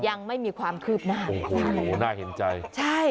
ยังไม่มีความคืบหน้าโอ้โหน่าเห็นใจใช่